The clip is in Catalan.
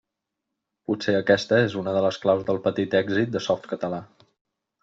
Potser aquesta és una de les claus del petit èxit de Softcatalà.